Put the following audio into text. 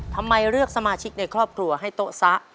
ทำไมเลือกสมาชิกในครอบครัวให้โต๊ะซะ